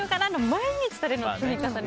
毎日、それの積み重ね。